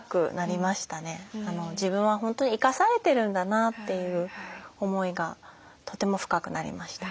自分は本当に生かされてるんだなという思いがとても深くなりました。